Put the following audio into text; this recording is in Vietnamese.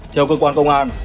theo cơ quan công an